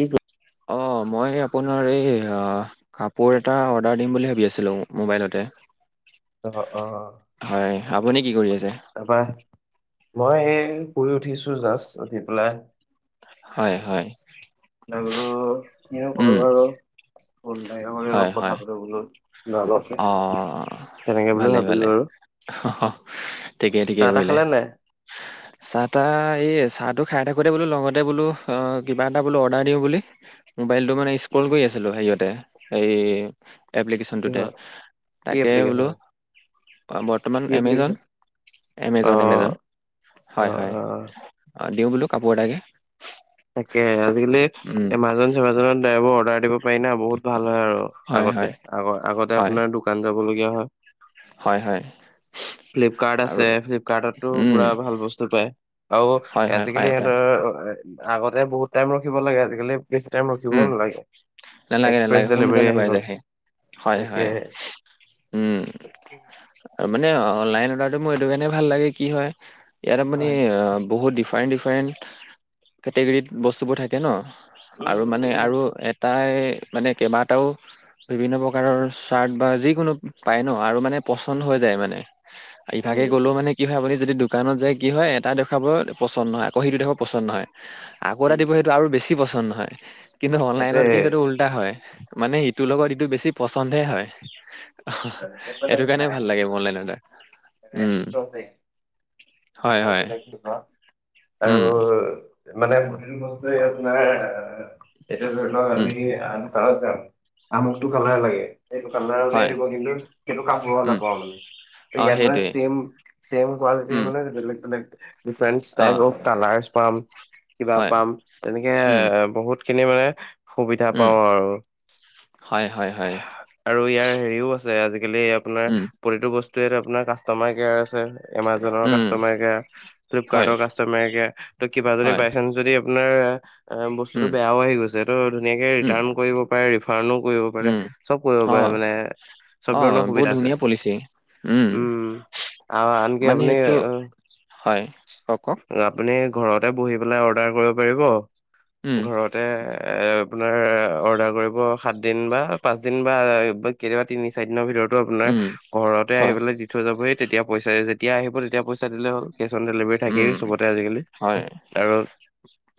কি কৰ অ, মই আপোনাৰ এই কাপোৰ এটা অৰ্ডাৰ দিম বুলি ভাবি আছিলো মবাইলতে। অ- অ আপুনি কি কৰি আছে? - অ বাই। মই এই শুই উঠিছো জাষ্ট উঠি পেলাই হয় হয় তাই বলো এ কৰো উম, আৰু নাই হয়, অলপ হয়, কথা পাতো বোলো। কিবা অলপ অ, তেনেকে বুলি ভালেই- ভাবিলো ভালে। আৰু ঠিকে ঠিকে চাহ তাহ কৰিলে খালে নাই চাহ তাহ এই চাহটোক খাই থাকোতে বোলো লগতে বোলো কিবা এটা বোলো অৰ্ডাৰ দিও বুলি মোবাইলটো মানে ষ্টোৰল কৰি আছিলো হেৰি দতে এই এপ্লিকেশ্যনটোতে কিহত কি তাকে বোলো এপ্লিকেশ্যন বৰ্তমান কি এমেজন অ এমেজন - এমেজন। অ হয়, হয়, - অ। অ, দিও বোলো কাপোৰ এটাকে তাকে আজিকালি উম, এমাজন চেমাজনত ড্ৰাইবোৰ অৰ্ডাৰ দিব পাৰি না বহুত ভাল। আৰু হয়, আগতে হয়, আগ আগতে হয়, আপোনাৰ দোকান যাব লগীয়া হয় হয় - হয়। ফ্লিপকাৰ্ট আৰু আছে ফ্লিপকাৰ্টতো উম, পুৰা ভাল বস্তু পায় আৰু হয়, হয়, পায়, আজিকালি পায়। সিহতৰ আগতে বহুত টাইম ৰখিব লাগে আজিকালি বেছি টাইম ৰখিব উম, নালাগে নালাগে এক্সপ্ৰেছ নালাগে ডেলিভাৰী সোনকালে আহি পাই গ'ল যায় হি হয় তাকে হয় উম মানে অনলাইন অৰ্ডাৰটো মোৰ এইটো কাৰণে ভাল লাগে কি হয়। ইয়াত আপোনি হয় বহুত ডিফাৰেণ্ট ডিফাৰেণ্ট কেটেগৰীত বস্তুবোৰ থাকে ন? উম আৰু উম মানে আৰু এটাই মানে কেইবাটাও বিভিন্ন প্ৰকাৰৰ চাৰ্ট বা যিকোনো পায় ন আৰু মানে পচন্দ হৈ যায় মানে। ইভাগে উম গলেও উম উম মানে কি হয় আপোনি যদি দোকানত যে কি হয় এটা দেখুৱাব পচন্দ নহয় আকৌ সেইটো দেখাব পচন্দ নহয় আকৌ এটা উম দিব সেইটো আৰু বেছি পচন্দ নহয় কিন্তু সেইটোৱে অনলাইনত কিন্তুটো উল্টা হয় মানে ইটোৰ লগত ইটো বেছি পচন্দহে হয়। বেলেগ বেলেগ সেইটো কাৰণে ভাল লাগে মনলাইন এটা উম, বেলেগ হয় হয় [unintelligible] আৰু উম মানে যি কোনো আপোনাৰ এতিয়া ধৰি লওক উম আমি আন কলাৰ চাম আমুকটো কালাৰ লাগে সেইটো কালাৰ হয় দিব সেইটো কাপোৰ উম নাপাওঁ মানে অ সেইটোৱে ইয়াত চেইম চেইম কোয়ালিটিৰ উম মানে different uh type of colours পাম কিবা হয় পাম তেনেকে এ উম বহুত খিনি মানে সুবিধা উম পাও আৰু হয় হয় হয় আৰু ইয়াৰ হেৰিও আছে আজিকালি আপোনাৰ উম প্ৰতিটো বস্তুে আপোনাৰ কাষ্টমাৰ কেয়াৰ আছে। এমাজনৰ উম কাষ্টমাৰ কেয়াৰ হয় ফ্লিপকাৰ্টৰ কাষ্টমাৰ কেয়াৰ ত কিবা যদি হয় বাই চানস যদি নাই উম বস্তুটো বেয়াও আহি গৈছে সেইটো ধুনীয়া কে উম ৰেটান কৰিব পাৰি। ফাৰণো কৰিব পাৰে উম চব কৰিব অ পাৰে মানে। চব অ, ধৰণৰ বহুত সুবিধা আছে ধুনীয়া পলিচি। উম, আ- আনকি মানে আপুনি সেইটো আহ, হয়। কওক কওক আপুনি ঘৰতে বহি পেলাই অৰ্ডাৰ কৰিব পাৰিব উম ঘৰতে। আপোনাৰ অৰ্ডাৰ কৰিব সাতদিন বা পাচদিন বা কেতিয়াবা তিনি চাৰিদিনৰ ভিতৰত আপোনাৰ উম ঘৰতে আহি হয় পেলাই দি থৈ যাবহি, তেতিয়া পইচা যেতিয়া আহিব তেতিয়া পইচা দিলে হ'ল, কেচ অন ডেলিভেৰী৷ উম থাকেই চবতে আজিকালি হয় কাৰণ,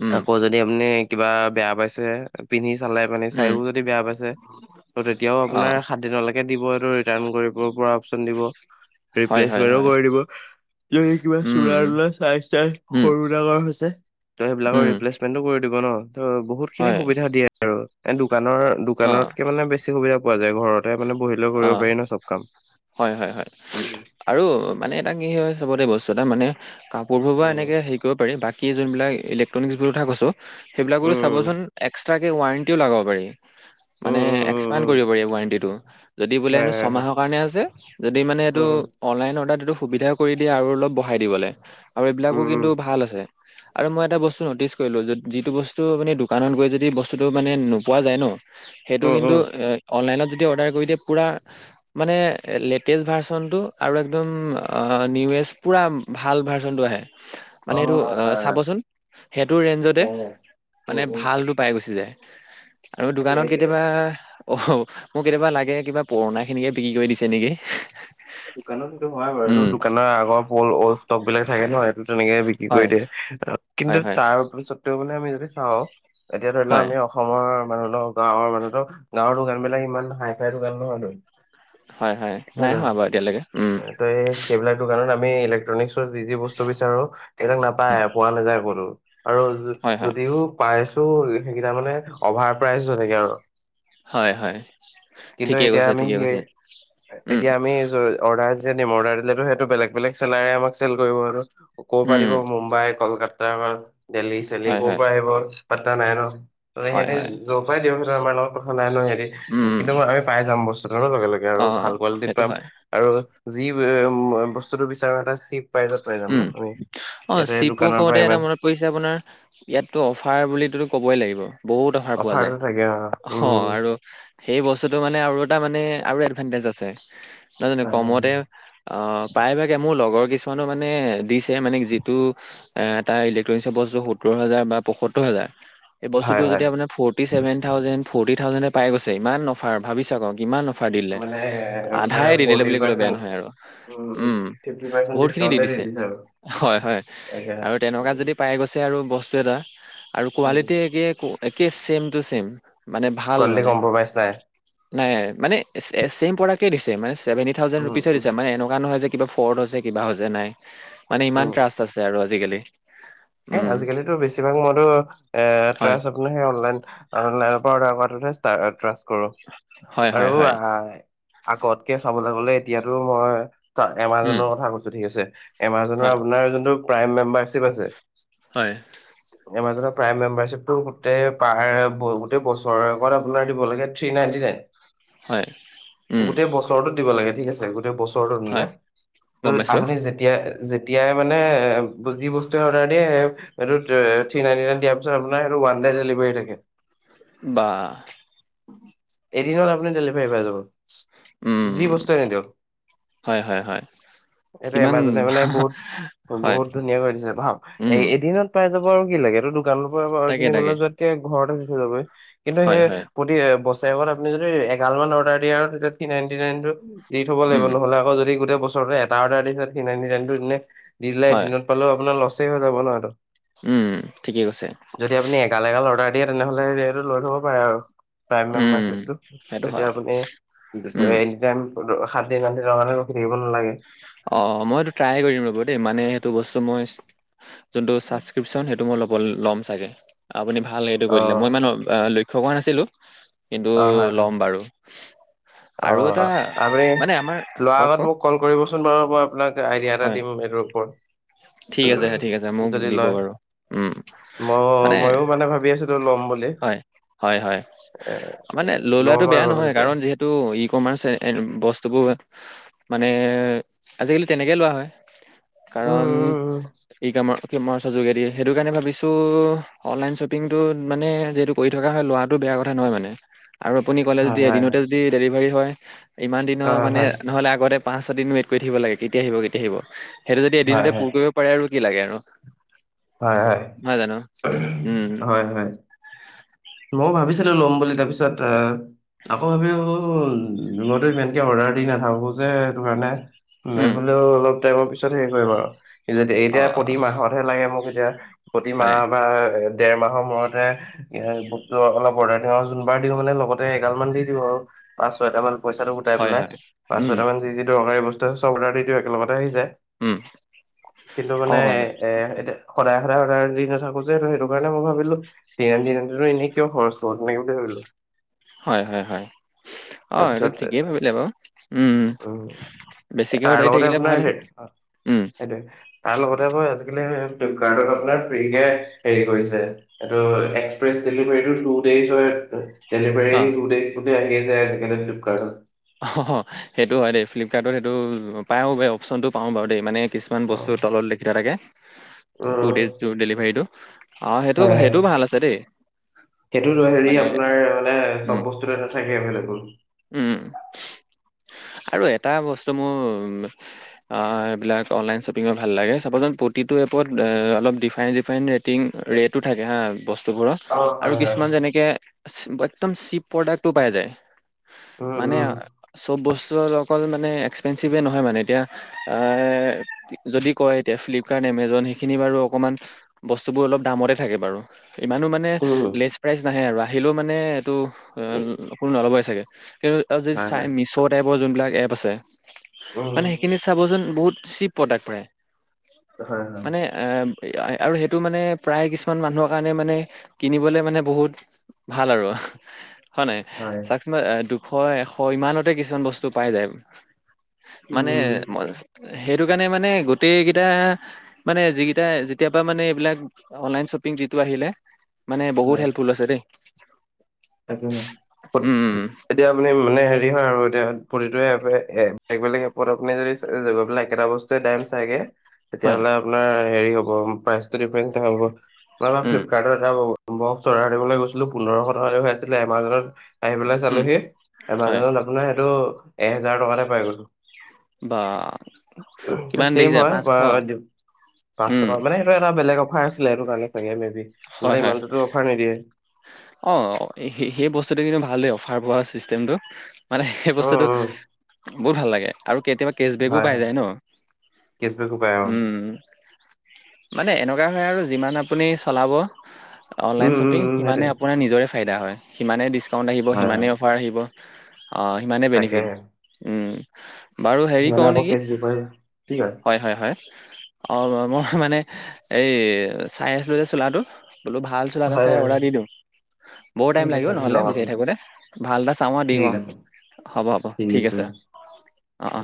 উম আকৌ যদি আপুনি কিবা বেয়া পাইছে পিন্ধি [unintelligible] উম চাইও যদি বেয়া পাইছে ত' তেতিয়াও অ আপোনাৰ সাত দিনলৈকে দিব টো ৰিটাৰ্ণ কৰিব পৰা অপচন দিব। হয় ৰিপ্লেচ হয় হয় কৰি দিব, যদি কিবা উম, চোলা-তোলা আছ [unintelligible] উম, সৰু ডাঙৰ হৈছে ত সেইবিলাকৰ উম, ৰিপ্লেচমেন্টো কৰি দিব ন? ত বহুত খিনি হয়। সুবিধা দিয়ে আৰু, এ দোকানৰ, অ', দোকানতকে মানে বেছি সুবিধা পোৱা যায় ঘৰত৷ অ হয় হয় হয় আৰু মানে এটা কি হয় চবতে বস্তু [unintelligible] মানে কাপোৰবোৰ পৰা উম এনেকৈ হেৰি কৰিব পাৰি বাকী যোনবিলাক ইলেক্ট্ৰনিক্ছ বুলি কথা কৈছোঁ সেইবিলাকো উম চাবচোন এক্সট্ৰাকে ৱাৰেণ্টিও লগাব পাৰি৷ উম মানে উম উম এক্সপাণ্ড উম উম কৰিব পাৰি ৱাৰেণ্টিটো৷ যদি বোলে হয় হেনো হয় হয় ছমাহৰ কাৰণে আছে, যদি মানে এইটো উম অনলাইন অৰ্ডাৰ এইটো সুবিধাও কৰি দিয়ে আৰু অলপ বঢ়াই দিবলে আৰু এইবিলাকো উম কিন্তু উম ভাল আছে৷ আৰু মই এটা বস্তু নটিচ কৰিলো, যিটো বস্তু মানে দোকানত গৈ যদি বস্তুটো মানে নোপোৱা যায় ন সেইটো উম উম কিন্তু, উম আ অনলাইনত যদি অৰ্ডাৰ কৰি দিয়ে পুৰা মানে লেটেষ্ট ভাৰ্চনটো আৰু একদম নিউৱেষ্ট পুৰা ভাল ভাৰ্চনটো আহে, অ মানে সেইটো হয় হয় হয় চাবচোন সেইটো ৰেঞ্জতে। অ মানে উম উম ভালটো পাই গুচি যায়৷ আৰু সেইটোৱে দোকানত সেইটোৱে কেতিয়াবা অ মোক কেতিয়াবা লাগে কিবা পুৰণা খিনিকে বিক্ৰী কৰি দিছে নেকি। দোকানত সেইটো হয় বাৰু, এইটো উম দোকানৰ আগৰ ওল্ড ষ্টক বিলাক থাকে নহয়, এইটো তেনেকে হয় কৰি দিয়ে, হয় কিন্তু হয় তাৰপিছত ও আমি যদি চাওঁ এতিয়া ধৰি লওঁ হয় আমি অসমৰ [unintelligible] গাঁৱৰ দোকানবিলাক ইমান হাই-ফাই দোকান নহয়তো। হয়, হয়, নাই হোৱা বাৰু এতিয়ালৈকে৷ উম ত সেইবিলাক দোকানত আমি ইলেক্ট্ৰনিকছৰ যি যি বস্তু বিচাৰো সেবিলাক নাপায়, পোৱা নাযায় কতো আৰু হয় হয় যদিও পায় [unintelligible] সেইটো, সেইকেইটা মানে অভাৰ প্ৰাইজ হৈ থাকে আৰু৷ হয় হয় কিন্তু ঠিকে এতিয়া কৈছে আমি ঠিকে সেই, কৈছে উম এতিয়া আমি [unintelligible] দিলেতো সেইটো বেলেগ-বেলেগ চেলাৰে আমাক চেল কৰিব আৰু, ক'ৰ পৰা উম দিব মুম্বাই, কলকাত তাৰপৰা দেল্হি-চেল্হি হয় ক'ৰ হয় পৰা আহিব পাত্তা নাই ন? ত হয় সিহঁতে হয় যৰ পৰাই দিয়ক সিহঁত আমাৰ লগত কথা নাই ন হেৰি উম উম কিন্তু আমি পাই যাম বস্তুটো লগে লগে আৰু আৰু অ ভাল কোৱালিটিত সেইটো পাম, হয় আৰু যি বস্তুটো বিচৰা সদায় চিপ প্ৰাইজত পায় উম, অ চিপু কওঁতে এটা ইমান মনত পৰিছে আপোনাৰ, ইয়াততো অফাৰ বুলিতো ক'বই লাগিব৷ বহুত অফাৰ পোৱা যায়৷ অফাৰটো থাকে উম। অ আৰু সেই বস্তুটো মানে আৰু এটা মানে আৰু এডভানটেজ আছে৷ নাজানো হয় হয় হয়। কমতে, অ প্ৰায়ভাগে মোৰ লগৰ কিছমানো মানে দিছে মানে যিটো এ তাৰ ইলেক্ট্ৰনিকছৰ বস্তু সত্তৰ হাজাৰ বা পয়সত্তৰ হাজাৰ এই বস্তুটো হয় হয় যদি আপোনাৰ ফৰ্টি চেভেন থাউজেণ্ড, ফৰ্টি থাউজেণ্ডে পাই গৈছে ইমান অফাৰ, ভাবি চাওক আও ইমান অফ অফাৰ দিলে, মানে আপোনাৰ আধাই দি দিলে ফৰ্টি বুলি কলে বেয়া পাৰ্চেণ্ট নহয় আৰু, উম ফিফটি পাৰ্চেণ্ট বহুতখিনি দি ডিছকাউণ্টে দিছে, আৰু। হয়, হয়, তাকে আৰু তেনেকুৱাতে যদি পাই গৈছে আৰু বস্তু এটা আৰু উম কোৱালিটি একে একে ছেম টু ছেম। মানে ভাল কোৱালিটি মানে, কম্প্ৰমাইজ নাই। ন মানে ছেম প্ৰডাক্টে দিছে, মানে চেভেন্টি থাউজেণ্ড উম ৰুপিচত উম দিছে মানে এনেুকুৱা নহয় যে কিবা ফৰ্ড হৈছে। কিবা হৈছে নাই, মানে উম ইমান ট্ৰাষ্ট আছে আৰু আজিকালি। এ উম, আজিকালিতো বেছিভাগ মইতো এ হয়, [unintelligible] অনলাইন-অনলাইনৰ পৰা অৰ্ডাৰ কৰাটোতহে টা ট্ৰাষ্ট কৰো, হয়, হয়, আৰু হয়, আ আগতকে চাবলৈ গ'লে এতিয়াতো মই উম, এমাজনৰ কথা কৈছো ঠিক আছে, এমাজনৰ হয়, আপোনাৰ যোনটো প্ৰাইম মেম্বাৰশ্বিপ আছে হয়। এমাজনৰ প্ৰাইম মেম্বাৰশ্বিপতটো গোটেই পাৰ গোটেই বছৰ আগত আপোনাৰ দিব লাগে থ্ৰী নাইনটি নাইন হয়, উম, গোটেই বছৰতো দিব লাগে ঠিক আছে গ গোটেই বছৰটো মানে হয়, গম পাইছো আগটে যেতিয়া যেতিয়া মানে যি বস্তুয়ে অৰ্ডাৰ সেয়াহে এই টো থ্ৰী নাইণ্টি নাইন দিয়াৰ পিছত ওৱান টাইম দেলিভাৰী থাকে। বা এদিনত আপুনি ডেলিভাৰী পাই যাব উম, যি বস্তু এ নিদিয়ক। হয়, হয়, হয়, এইটো ইমান এমাজনে মানে বহুত হয়, বহুত ধুনীয়া কৰি দিছে ভাও এ উম, এদিনত পাই যাব আৰু কি লাগে তটো দোকানৰ পৰাাৰ তাকে, তাকে, কিনিবলৈ যোৱাতকে ঘৰত আহি দি থৈ যাব হী। কিন্তু হয়, হয়, সেই বছৰে আপুনি যদি এগালান অৰ্ডাৰ দিয়ে আৰু তেতিয়া থ্ৰি নাইণ্টী নাইন টো দি থব লাগিব উম, নহ'লে আকৌ যদি গোটেই বছৰতো এটা অৰ্ডাৰ দিব [unintelligible] দি দিলে দিলে এ হয়, দিনত পালেও আপোনাৰ লচ হৈ যাব ন। উম, ঠিকেই কৈছে, যদি আপুনি এগাল-এগাল অৰ্ডাৰ দিয়ে তেনেহলে সটো লৈ থব পাৰে আৰু। প্ৰাইম উম, মেম্বাৰিপ সেইটো তেতিয়া হয়, আপুনি উম, এনি টাইম সাত দিন আ আঠ দিনৰ কাৰণে ৰখি থাকিব নালাগে। অ' মইতটো ট্ৰাই কৰিম ৰব দেই মানে সেইটো বস্তু মই। যোনটো ছাবক্ৰিপন সেইটো মই ল ল'ম চাগে। আপুনি ভাল সেইটো কৈ দিলে অ', মই ইমান লক্ষ্য কৰা নাছিলোঁ কিন্তু অ', হয়, হয়, ল'ম বাৰু অ আৰু এটা আপুনি মানে আমাৰ লোৱাৰ কওক আগত কওক মোক কল কৰিবচোন বাৰু হ'ব আপোনাক আইডিয়া এটা হয় দিম এইটোৰ ওপৰত। ঠিক আছে ঠিক আছে মোক যদি দিব লয় বাৰু উম ময়ো-ময়ো মানে ভাবি আছিলো ল'ম। বুলি হয়-হয়-হয় এ মানে ল লোৱাটো ল'ম বেয়া আৰু নহয় তেতিয়া কাৰণ যিহেতু [unintelligible] ৰ এ বস্তুবোৰ মানে আজিকালি তেনেকে লোৱা হয় উম, কাৰণ উম, উম, এই কামৰ খিমমাচৰ যোগেদিয়ে সেইটো কাৰণে ভাবিছোঁ অনলাইন শ্বপিংটোত মানে যিহেতু কৰি থকা হয় লোৱাটো বেয়া কথা নহয় মানে আৰু আপুনি কলে হয়, যদি হয়, হয়, এদিনতে যদি ডেলিভাৰী হয় ইমান দিনৰ অ', মানে হয়, নহলে আগতে পাঁচ ছদিন ৱেট কৰি থাকিব লাগে কেতিয়া আহিব কেতিয়া আহিব সেইটো যদি হয়, এদিনতে হয়, পূৰ কৰিব পাৰে আৰু কি লাগে আৰু। হয় হয় হয় হয় ময় ভাবিছিলো লম বুলি তাৰপিছত এ, আকৌ ভাবিলো মইতো ইমানকে অৰ্ডাৰ দি নাথাকো যে সেইটো কাৰণে বোলেও অলপ টাইমৰ পিছত হেৰি কৰিম আৰু এতিয়া প্ৰতি মাহত হে লাগে মোক এতিয়া প্ৰতিমাহ বা দেৰ মাহৰ মূতে এ অলপ অৰ্ডাৰ দিওঁ আৰু যোনবাৰ দিওঁ মানে লগতে এগাল মান দি দিওঁ আৰু। পাঁচ ছয়টা মান পইচাটো গোটাই পেলাই, পাঁচ ছয়টা মান যি-যি দৰকাৰী বস্তু চব অৰ্ডাৰ দি দিওঁ একেলগতে আহি যায়। কিন্তু মানে হয়, এ এতিয়া সদায়-সদায়-সদায় দি নাথাকো যে ত সেইটো কাৰণে মই ভাবিলো দি দিনা এনেই কিয় খৰচ নেকি বুলি ভাবিলো। হয়-হয়-হয় অ' এইটো তাৰপিছত ঠিকেই ভাবিলে বাৰু উম, বেছিকে তাৰ সদাই লগতে থাকিলে আপোনাৰ ভাল হে উম, সেইটোৱে তাৰ লগতে আকৌ আজিকালি [unintelligible] ফিৰিকে হেৰি কৰিছো এইটো এস্কপিয়েছ ডেলিভাৰী [unintelligible] দেলিভাৰী অ'। গোটেই-গোটেই আইদিয়াবলৈ ফ্লিকাৰ্ডত। অ' সেইটো হয় দেই ফ্লিপকাৰ্টত সেইটো পায়ওঁ ব অপশচনতটো পাওঁ বাৰু দেই মানে কিছুমান অ', বস্তুৰ তলত লেখিঠোঁৱা থাকে টু উম ডেজ ডেলিভাৰীটো অ সেইটো হয় হয় সেইটোও ভাল আছে দেই সেইটোতো হেৰি মানে আপোনাৰ মানে উম, চব বস্তুতে নাথাকে এভেইলেবুল। উম। আৰু এটা বস্তু মোৰ এইবিলাক অনলাইন শ্বপিঙ ভাল লাগে চাবাচোন প্ৰতিটো এপত অ' অলপ ডিফাৰেন-ডিফাৰেন ৰেটিং ৰেতটো থাকে হা বস্তুবোৰত অ হয় আৰু হয় কিছুমান যেনেকে একদম চিপ প্ৰডাক্টো পাই যায়। উম মানে উম। চব বস্তু অকল মানে এক্সপেঞ্চিভে নহয় মানে এতিয়া এ যদি কয় এতিয়া ফ্লিপকাৰ্ট এমেজন সেইখিনি বাৰু অকণমান বস্তুবোৰ অলপ দামতে থাকে বাৰু। ইমানো মানে উম লেচ প্ৰাইজ নাহে আৰু আহিলেও মানে এইটো অ কোনো নল'বই চাগে। কিন্তু আৰু যদি হয় চাই হয় মিছ' টাইপৰ যোনবিলাক এপ আছে উম মানে সেইখিনিত চাবচোন বহুত চিপ প্ৰডাক্ট প্ৰায় হয় হয় মানে এ আৰু সেইটো মানে প্ৰায় কিছুমান মানুহৰ কাৰণে মানে কিনিবলে মানে বহুত ভাল আৰু হয় নাই হয় চাওকচোন দুশ এশ হয় ইমানতে কিছুমান বস্তু পাই যায়। মানে উম সেইটো কাৰণে মানে গোটেই কেইটা মানে যি কেইটা যেতিয়া [unintelligible] মানে, এইবিলাক অনলাইন শ্বপিং যিটো আহিলে, মানে বহুত হেল্পফুল হৈছে দেই। তা উম উম কেতিয়া আপনি মানে হেৰি? কি হয় আৰু এতিয়া প্ৰতিটো এপে বেলেগ বেলেগ এপত আপুনি যদি পাই একেটা বস্তুৱয়ে দম চাইগে হয় তেতিয়াহলে আপোনাৰ হেৰি হ'ব প্ৰাইচটো ডিফাৰেন্ হব উম ফ্লিপকাৰ্টৰ এটা পাব। [unintelligible] দিবলৈ গৈছিলোঁ। পোন্ধৰশ টকাকে হৈ আছিলে এমাজনত। আহি পেলাই উম চালোহি হয় এমাজনত আপোনাৰ সেইটো এহেজাৰ টকাতে পাই গলো। বা কিমান ছেম দেখিছে হয় পাঁচশ। বা পাঁচশ উম টকা মানে সেইটো এটা বেলেগ অফাৰ আছিলে এইটো কাৰণে চাগে মেবি। হয় নহ'লে হয় ইমানটোতো অফাৰ নিদিয়ে। অ সেই সেই বস্তুটো কিন্তু ভালেই অফাৰ পোৱা চিষ্টেমটো মানে সেই অ', বস্তুটো অ', বহুত ভাল লাগে আৰু কেতিয়াবা কেচ বেক হয় পাই হয় যায় ন। কেচবেকো পায় অ', উম মানে এনেকা লগা হয় আৰু যিমান আপুনি চলাব অনলাইন উম, উম, শ্বপিং উম, সিমানে সেইটোৱে। অপোনাৰ নিজৰে ফাইদা হয় সিমানেই ডিছকাউণ্ট আহিব হয়, হয়। সিমানেই অফাৰ আহিব। অঁ সিমানেই বেনিফিট। তাকেহে, বাৰু হেৰি সিমানে কওঁ আকৌ নেকি কেছ বিপৰীত কি কয়? হয় হয় হয়। অ মই মানে এই চাই আছিলো যে চোলাটো। বোলো ভাল চোলা এটা হয়, চাই হয়, অৰ্ডাৰ হয়। এটা দি দিওঁ। বহুত টাইম ঠিক লাগিব আছে দি নহলে লগ বিচাই আপুনি। থাকো দে ভাল এটা চাওঁ দিওঁ ঠিক আও। আছে। হ'ব হ'ব ঠিক আছে অ অ।